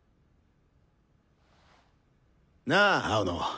なあ青野。